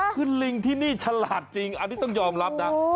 คือลิงที่นี่ฉลาดจริงอันนี้ต้องยอมรับนะ